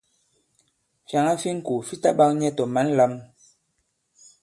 Fyàŋa fi ŋko fi ta ɓak nyɛ tɔ̀ mǎn lām.